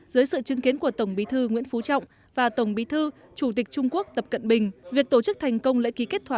dưới sự chứng kiến của tổng bí thư nguyễn phú trọng và tổng bí thư chủ tịch trung quốc tập cận bình